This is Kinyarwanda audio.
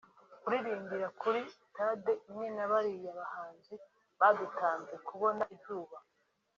Kuririmbira kuri stage imwe na bariya bahanzi badutanze kubona izuba